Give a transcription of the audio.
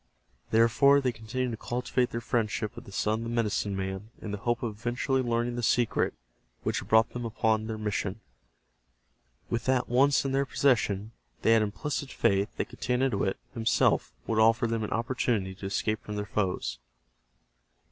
Therefore, they continued to cultivate their friendship with the son of the medicine man in the hope of eventually learning the secret which had brought them upon their mission. With that once in their possession, they had implicit faith that Getanittowit himself would offer them an opportunity to escape from their foes.